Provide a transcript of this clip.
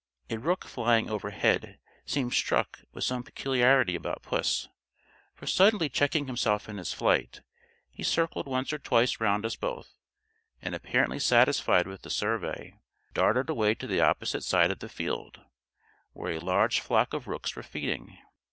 A rook flying overhead seemed struck with some peculiarity about puss; for suddenly checking himself in his flight, he circled once or twice round us both, and apparently satisfied with the survey, darted away to the opposite side of the field, where a large flock of rooks were feeding.